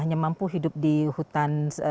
hanya mampu hidup di hutan